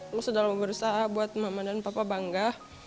aku sudah berusaha buat mama dan papa bangga